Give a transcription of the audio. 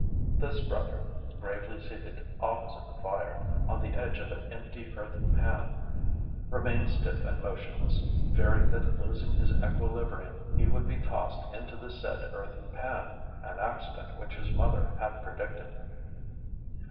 This brother, gravely seated opposite the fire on the edge of an empty earthen pan, remained stiff and motionless, fearing that losing his equilibrium he would be tossed into the said earthen pan an accident which his mother had predicted.